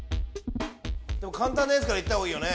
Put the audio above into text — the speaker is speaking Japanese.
簡単なやつから行ったほうがいいよね。